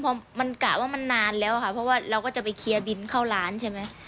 พอมันกะว่ามันนานแล้วค่ะเพราะว่าเราก็จะไปเคลียร์บินเข้าร้านใช่ไหม